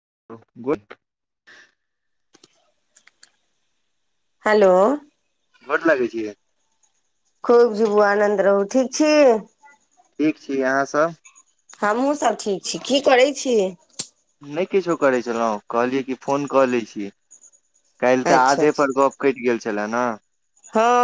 [unintelligible] हलो गोर लागैइ छी खूब जीबू आनन्द रहू ठीक छी ठीक छी अहाँस हमहुं सब ठीक छी की करैय छी नहि किछो करैइ छलहुँ कहलियै कि फोन कऽ लैइ छीअइ काल्हि तऽ अच्छा आधे अच्छा पर गप कटि गेल छला न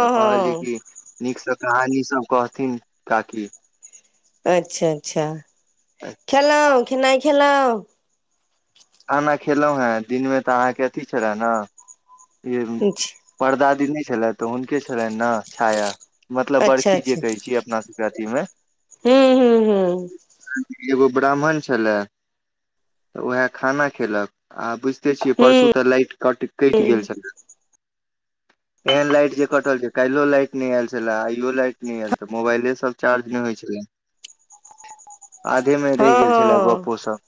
तऽ कहलियै हँ कि नीकसँ कहानी सब कहथिन काकी अच्छा अच्छा खेलौं खेनाइ खेलौ खाना खेलौं हेँ दिनमे तऽ अहाँके अथी छला न ई परदा दी नहि छला तऽ हुनके छलैनि न छाया मतलब अच्छा बरखी जे अच्छा कहैइ छी अपना सबके अथी में हूँ हूँ हूँ एगो ब्राह्मण छलए तऽ उएह खाना खेलक आ बुझिते छियैइ परसू हूँ तऽ लाइट कट कटि गेल हूँ छलेइ एहन लाइट जे कटल छैइ काल्हि लाइट न आयल छला आइयो लाइट नई आयल त मोबाइले सब चार्ज ने होय छला आधे में रहि गेल छला गप्पो सब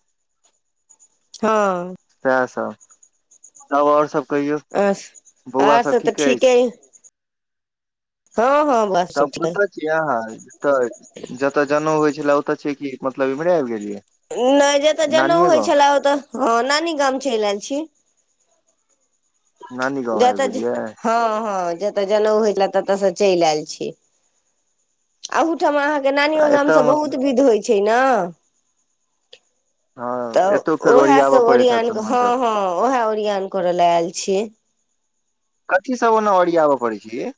हँअ् सएह सब तब और सभ कहियौ हँ आर बौआसभ सब तऽ ठीक ठीके अछि हँ हँ बस सब तब ठीके कतऽ छिय अहाँ तऽ जतऽ जनेउ होइ छै छलै ओत छियै कि मतलब एम्हरे आइब गेलियै नहि जतय जनेउ नानीये होइ गाँव छलए ओतऽ हँ नानी गाम चलि आयल छी नानी गाँव जत आबि ज गेलियै हँ हँ जत जनउ होइ छलै तत स चलि आयल छी आँहुठाम अहाँ के नानियो आ गाम एतऽ स बहुत विध होइ छै न हँ तऽ एतौ फेर ओरियाबऽ उएहसभ पड़ैत हैत ओरियान सामान हँ सब हँ उएह ओरियान करय ल आयल छी कथी सब ओना ओरिआबऽ पड़ै छै ये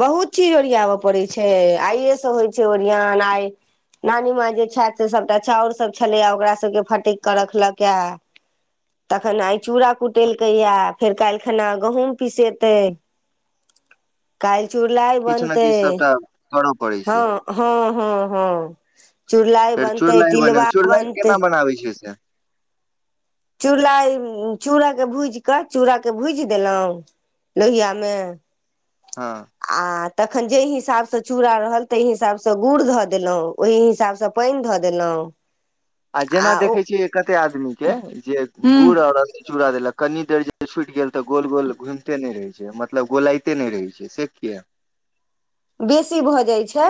बहुत चीज ओरियाब पड़ैत छै आइेसँ होइ छै ओरियान आइ नानी माय जे छथि से सभटा चाउर सभ छलैए ओकरा सभके फटकि कऽ रखलक ऐ तखन आइ चूड़ा कुटेलकैया फेर काल्हि खना गहुंम पिसेतै [inaudible] चुड़लाई किछु ने बनतै किछु सबटा करऽ पड़ै छै हँ हँ हँ हँ चुड़लाइ बनतै तिलबा बनतै नाबै छियै से चूड़लाइ चूड़ाके भूजि कऽ चूड़ाके भूजि देलहुँ लोहिआमे हँ आ तखन जाहि हिसाब स चूड़ा रहल ताहि हिसाब से गुड़ धऽ देलहुॅं ओहि हिसाब स पानि धऽ देलहुॅं त आ जेना देखै छियै कते आदमी के जे गुड़ और चूरा देलक कनि देर जे छुटि गेल तऽ गोल गोल घुमिते नहि रहै छै मतलब गोलाइते नहि रहै छै से किया [inaudible] बेसी भऽ जाइ छै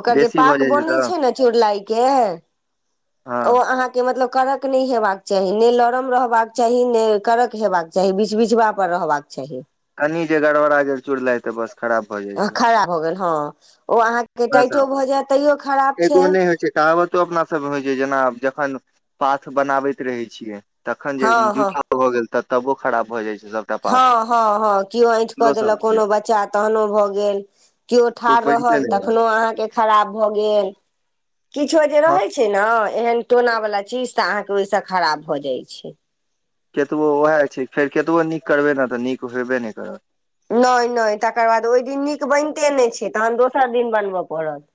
ओकर जे बेसी भऽ पाक जाइ बनै तऽ छै ने चुड़लाइ के हँ ओ अहाँके मतलब कड़क नहि हेबाक चाही नै लरम रहबाक चाही नय कड़क हेबाक चाही बिचबीचबा पर रहबाक चाही कनि जे गड़बड़ा गेल चुड़लाइ तऽ बस खराब भऽ जाइ छै खड़ा हो गेल हँ ओ अहाँ के बस टाइटो भऽ जाय तैयो खराब छै एगो नहि होइ कहावतो अपना सबमे होइ छै जेना जखन पाथ बनाबैत रहै छियै तखन जे हँ हँ जूठा भए गेल तऽ तबो खराब भ जाइ छै सभटा पात हँ हँ हँ केओ ऐंठ कऽ इहो सब देलक चीज कोनो बच्चा तहनो भऽ गेल केओ ओ ठार बनिते रहल नहि रहत तखनो अहाँके के खराब भऽ गेल किछो जे हँ रहै छै न एहन टोना वला चीज तऽ अहाँके ओहिसँ खराब भऽ जाइ छै केतबो उएह छै फेर केतबो नीक करबै न तऽ नीक होयबे नहि करत नहि नहि तकर बाद ओहि दिन नीक बनिते नहि छै तहन दोसर दिन बनबय पड़त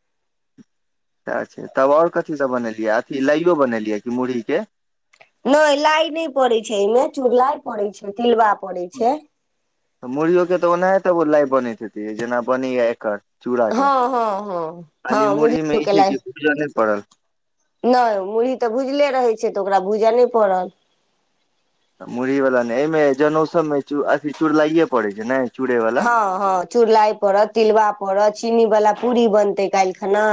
[inaudible] अच्छा तब और कथीसभ बनेलियै अथी लाइयो बनेलियै कि मुरही के नहि लाइ नहि पड़ै छै एहिमे चूड़लाइ पड़े छै तिलबा पड़ै छै मुरहियो के तऽ ओनाहे तब लाइ बनैत हेतै जेना बनैया एकर चूड़ा के हँ हँ हँ हँ खाली मुरही मे मुरहीयो ई के छै लाइ कि भुजय नहि पड़ल नहि मुरही तऽ भुजले रहै छै तऽ ओकरा भूजय नहि पड़ल मुरही वला नहि एहिमे जनौसममे अथि चुड़लाइए पड़ैत छै ने चूड़े वाला हँ हँ चुड़लाइ पड़त तिलबा पड़त चीनी बाला पूरी बनतै काल्हि खना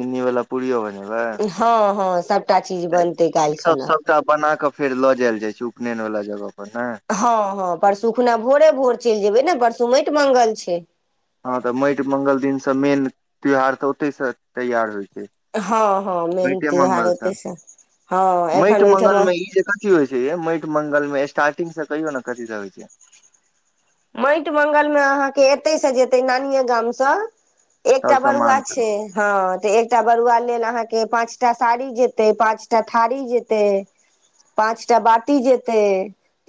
चिन्नीवला पुड़ियो बन बै हँ हँ सभटा चीज बनतै काल्हि ई सब खना सबटा बना कऽ फेर लऽ जायल जाइ छै मेनवला जगह पर ने हँ हँ परसू खुना भोरे भोर चलि जेबै ने परसू माटि मंगल छै हँ तऽ माटि मंगल दिनसँ मेन त्यौहार तऽ ओतहिसँ तैयार होइत छै हँ हँ मेन माटिये मंगल त्यहारारो सँ तेस माटि मंगल मे ई जे कथी होइ छै माटि मंगलमे स्टार्टिंग से कहिय ने कथी रहय छै माटि मङ्गलमे अहाँके एतै से जेतै नानिे गामसँ एक सब बरुआ सामान सब छै हँ तऽ एक बर लेलहाँके के पाँचटा साड़ी जेतै पाँचटा थारी जेतय पाँचटा बटी जेत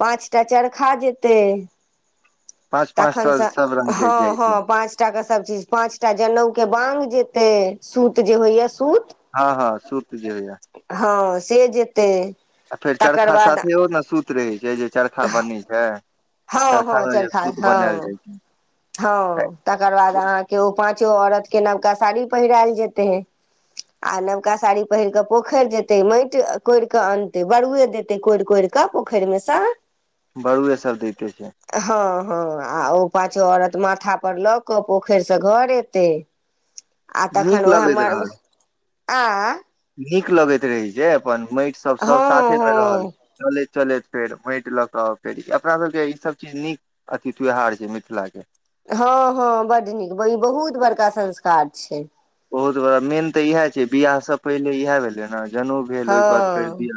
पाँचटा चरखा जेतय पाँच पाँच तखन टा सब रंग के जाइ हँ हँ छै पाँचटा के सभ चीज पाँचटा जनउ के बाग जेते सूत जे होइया सूत हँ हँ सूत जे भैया हँ से जेतै आ फेर तकर चरखा बाद साथे ओ ने सुत रहै छै जे चरखा बनी छै हँ हँ सरखामे जे चरखा सूत बनायल हँ जाइ छै हँ तकर बाद अहाँके ओ पाँचो औरतके नवका साड़ी पहिरायल जेतय है आ नवका साड़ी पहिर के पोखरि जेते माटि कोरि कऽ अनते बरुए देते कोरि कोरि क का पोखरिमे सा बरुए सरदैटे छै हँ आ ओ पाछो औरत माथा पर लऽ कऽ पोखरि से घर एतैय आ तखन नीक उएह लगैत मर रहल आ नीक लगैत रहै जे अपन माटि सब सब हँ साथे मे रहल हँ चलैत चलैत फेर माटि लऽ कऽउ फेर अपनासभके ईसभ चीज नीक अथी त्यौहार छै मिथिलाके हँ हँ बड नीक ई बहुत बड़का संस्कार छै बहुत बड़ा मेन तऽ इएह छै बिियाह से पहिले इएह भेलै ने भेलहि एक बाद फेर हँ द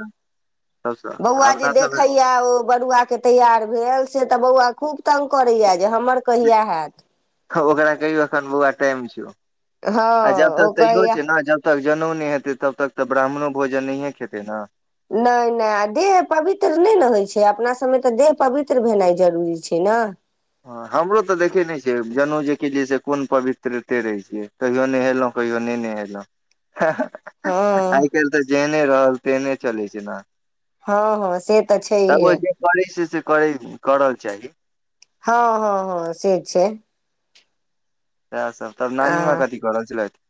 बौआ जे देखैया ओ बरुआके तैयार भेल से तऽ बौआ खूब तंग करैया जे हमर कहिया हैत छ हँ आ जब तक ओ तऽ इहो कहैया छै ने जब तक जनेउनी हेतैय तब तक तऽ ब्राह्मणो भोजन नहिये खेतै ने नहि नहि आ देह पवित्र नहि ने होइ छै अपना य तऽ देह पवित्र भेनाइ जरूरी छै ने ह हमरो तऽ देखे नइ छै जनेउ जेकि जे से कोन पवित्रते रहै छियै कहियो नहेलहुँ कहियो ने नहेलहुँ हँ आइ काल्हि तऽ जेहने रहल तेहने चलै छै ने हँ हँ से तऽ तब छैहे ओ जे करै छै से करै करल चाही हँ हँ हँ से छै तैस त नान म कथी करर च लैत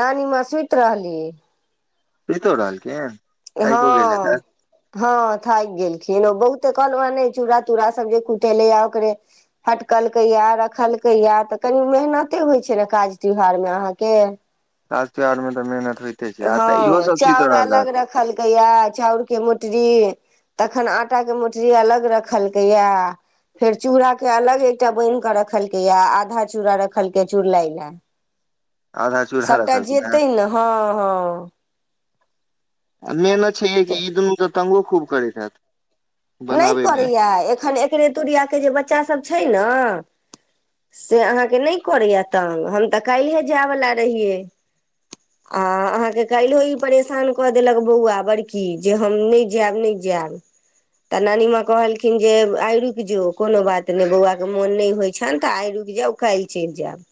नानीमे सुति रहली सीतोड अलके हँ हँ थाकि गेलखिन ओ बहुते कहल चूड़ तूड़ा सब जे कुटेले या ओकर फटकलकै या रखलकै या तऽ कनि मेहन केनाते होइ छै ने काज त्योहार मे अहाँके सा त्यौहार मे तऽ मेहनत होइते छै आ तऽ इहो हँ सब सुति चाउर रहल अलग रखलकै यए चाउरके मोटरी तखन आटाके मोटरी अलग रखलकैए फेर चूड़ाके अलग एकटा बाइन्ध कऽ रखलकै या आधा चूड़ा रखलकै चुड़लाइ लए आधा चूल्हा सभटा रखलखिन हेँ जेतै न हँ हँ आ मेहनत छइहे कि ई दुनू तऽ तंगो खूब करैत हैत नहि बनाबे मे करैया एखन एकरे तुरिये जे बच्चासभ छै न से अहाँके नहि करैए तंग हम तऽ काइले जायवला रहियै आ अहाँके काल्हो ई परेशान कऽ देलक बौआ बड़की जे हम नइ जैब नइ जैब तऽ नानी माँ कहलखिन जे आइ रुकि जो कोनो बात नहि बौआ के मन नइ होइन छैन तऽ आइ रुकि जाउ काइल चैल जैब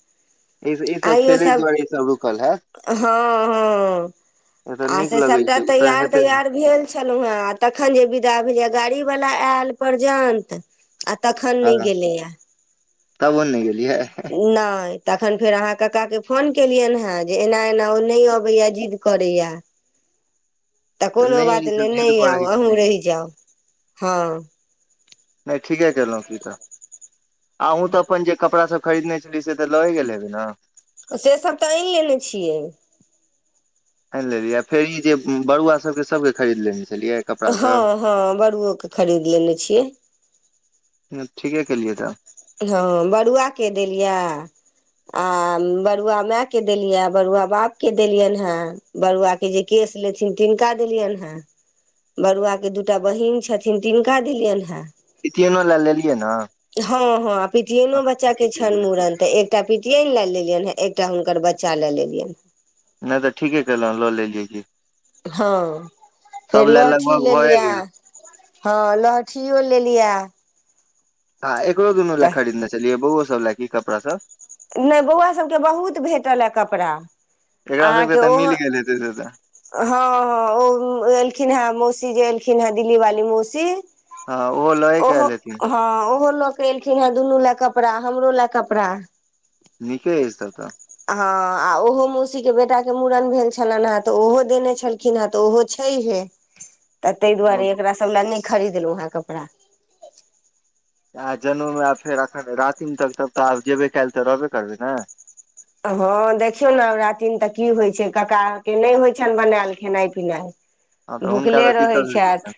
इ स ई सब खेले दुुआरे सब रुकल हैत हँ हँ एतऽ आ नीक से लगे सभटा छै ओतऽ तैयार हेते तैयार भेल छलहुँ ह आ तखन जे विदा भेलै ह गाड़ी वला आयल प्रजंत आ तखन नई हँ गेलेया तबो नहि गेलियै नई तखन फेर अहाँ कक्का के फोन केलियनि हेँ जे एना एना ओ नहि अबैए जिद्द करै य तऽ कोनो नहि बात ई नई सब नई जिद करै आउ अहूँ छै रहि जाउ हँ नई ठीके कलहुँ की तऽ अहूँ तऽ अपन जे कपड़ा सब खरीदने छलही से तऽ लय गेल हेबय न से सब तऽ आइन लेने छियै आनि लेली फेर ई जे बरुआ सबके सभके खरीद लेली हँअ् हँअ् बड़ुओके खरीद लेने छियै ठीके केलियए तऽ हँअ बरुआके देलये आ बरुआ माय के देलियै बरुआ बाप के देलियनि ह बरुआ के जे के लेथिन किनका देलियैन ह बरुआ के दूटा बहीन छथिन तिनका देलियनि ह पितिआइनो लए लेलियै न हँ हँ पितिआइनो बच्चा के केलियै छैनि मुड़न ते एकटा पितिआइनल ले एकटा हुनकर बच्चा ल लेलियैन नई तऽ ठीके कैलहु ल लेलिए की हँ सभ फेर लए लहठी लगभग भए लेलियै गेल हँ लहठियो लेलियै हँ एकरो दुनू लए तऽ खरीदने छलियै बौओ सब ल की कपड़ा सब नई बौआ सबके बहुत भेटल ऐ कपड़ा एकरा सबके अहाँके तऽ ओहो मिल गेल हेतै से तऽ हँअ् हँअ् ओ एलखिन ह मौसी जे एलखिन ह दिल्ली वाली मौसी हँ ओहो लए के ओहो आयल हेथिन हँअ् ओहो लक एलखिन ह दुनू लए कऽ कपड़ा हमरो लए कपड़ा नीके अइछ तब तऽ हँ आ ओहो मौसीके बेटाके मूड़न भेल छलनि ह तऽ ओहो देने छलखिन ह तऽ ओहो छै छई हे [inaudible] तऽ तई दुआरे एकरा सब ल नई खरीदलहु ह कपड़ा आ जनउमे आब फेर एखन रातिमे तक तब तऽ आब जेबे काइल तऽ रहबे करबै न हँ देखियौ ने रातिमे तऽ की होइ छै कक्का नई होइ छैनि बनैयल खेनाइ पिनाइ हँ तऽ हुनका भुखले तऽ रहै दिक्कत होइत छथि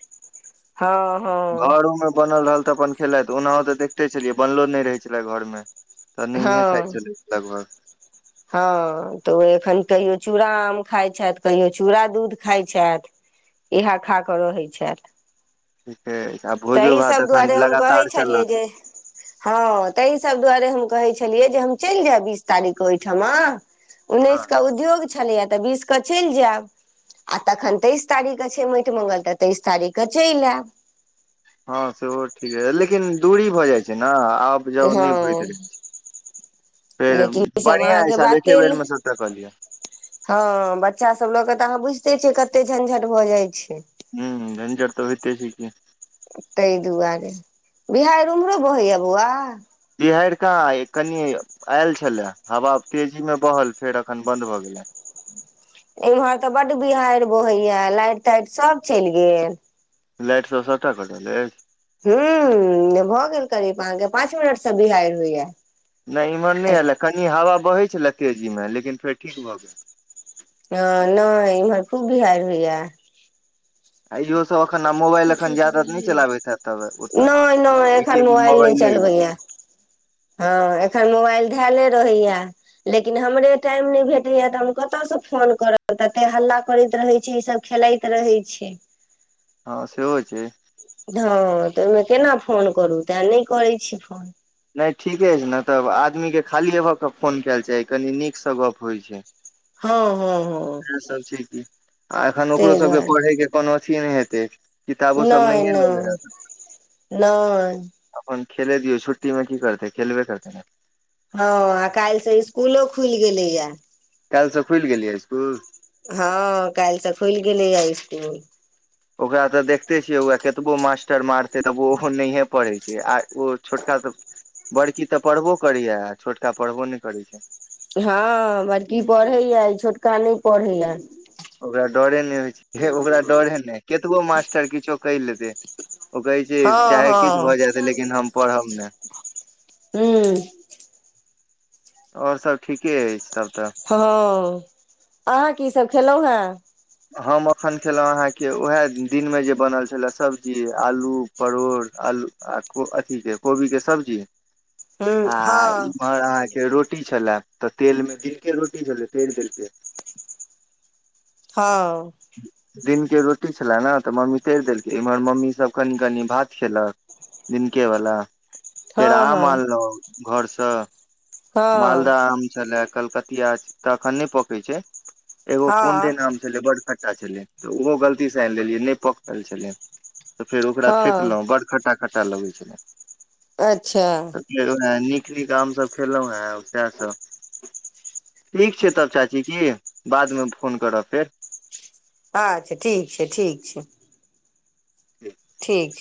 हँ हँ घरो मे बनल रहल तऽ अपन खेलइत तऽ ओनाहो तऽ देखिते छलियै बनलो नई रहै छलै घर मे तऽ नहिहे खाइत छलैथ लगभग हँअ तऽ ओ एखन कहियो चूड़ा आम खाइ छैथ कहियो चूड़ा दूध खाइत छैथ इ हा खा कऽ रहैत छे ठीके अछि आ भोजो तहि भात सब एखन दुआरे हम कहैइ लगातार छलियै चलत जे हँअ तहि सब दुआरे हम कहैइ छलिऐ जे हम बीस तारिख के ओहिठामा हँ उन्नीस के उद्योग छलैया तऽ बीस कऽ चलि जायब आ तखन तेइस तारीखके छै माटि म्ंगल तऽ तेइस तारीखके चलि आयब हँअ् सेहो ठीक लेकिन दूरी भऽ जाइ छैय ना आब जाउ नई होइत हँ रहै छय फेर लेकिन ईसभ बढ़ियाँ हइस एके बेर में सभ टाऽ कलिअ हँअ् बच्चा सब लऽ के तऽ अहाँ बुझिते छियै कते झंझट भऽ जाइ छैइ ह झञजर तऽ होइते छै कि ताहि दुआरे बिहार उम्हरो बहैय बौआ बिहरिका कनि आयल छलए हवा तेजी मे बहल फेर अखन बंन्द भऽ गेलै ह एमहर तऽ बड्ड बिहाड़ि बोहैया लाइि ताइटि सब चलि गेल लाट सए सठ कट ल ह भऽ गेल करीब अहाँके पाँच मिनट से बिहाड़ि होइया नहि इम्हर नहि आयलए कनि हवा बहैत छलए तेजीमे लेकिन फेर ठीक भऽ गेल ह नहि इमहर खूब बिहारड़ होइया आइ दस एखन मोबाइल एखन जादा नहि चलाबैत हे तब ओतऽ नहि नहि एक एखन मोबाइल नहि मोबाइले ह चलबैया हँ एखन मोबाइल धले रहैया लेकिन हमरे टाइम नहि भेटैया तऽ हम कतयसँ फोन करब तते हल्ला करैत रहै छै ई सब खेलइत रहय छै हँ सेहो छै हँ तऽ ओहिमे केना फोन करू तैँ नहि करैत छी फोन नहि ठीके छै ने तब आदमी के खाली ए भ के फोन केयल चाही कनी नीक से गप होइ छै हँ हँ हँ इएह सब छै कि आ एखन ओकरो ताहि सबके दुआरे पढ़ैके कोनो अथी नहि हेतै किताबो सब नहि नहि नहिए ले रह नहि अपन खेले रियौ छुट्टीमे की करतै खेलबे करतै नय हँ आ काल् से इसकुलो खुलि गेलैया काल्हि से खुलि गेलियै इसकुल हँ काल्हि तऽ खुलि गेलैए इसकुल ओकरा तऽ देखते छियै कतबो मास्टर मारते तऽ ओहो नहिे पढ़ै छै आ ओ छोटका तऽ बड़की तऽ पढ़बो करैए आ छोटका पढ़बो नहि करैत छै हँ बड़की पढ़ैया छोटका नहि पढ़ैया ओकरा डरे नहि होइ छै ओकरा डरे नहि कतबो मास्टर किछो कहि लेतै ओ कहै छै हँ चाहे किछु हँ भऽ जायत लेकिन हम पढ़ब ने हँ आओर सब ठीके अछि तब तऽ हँ अहाँ कीसभ खेलहुँ हेँ अखन खेलहुँ अहाँके उएह दिनमे जे बनल छलए सब्जी आलू परोड़ आलू आ ह रोटी छल तऽ तेलमे द रोटी छल तेल देलके हँ दिन के रोटी छले ने तऽ मम्मी तैर देलकै इम्हर मम्मी सब कनि कनि भात खेलक नन। कवला हँ फेर आम हँ आनलहु घरसँ हँ हँ मालदह आम छलय कलकतिया तखन नहि पकै छै एगो कोन दे हँ नाम छल ब छलै तऽ ओहो गलतीसँ आनिि लेलियै नहि पकड़ल छलै तऽ फेर ओकरा हँ फेकलहुँ बड़ खटटा खटटा लगै छल अच्छा तऽ फेर नीक ीक आमसभ खेलहुॅं हें सएह सब ठीक छै तब चाची की बादमे फोन करब फेर अच्छा ठीक छै ठीक छै ठीक